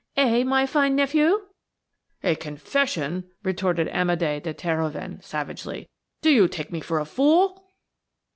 Eh, my fine nephew?" "A confession?" retorted Amédé de Terhoven savagely. "Do you take me for a fool?"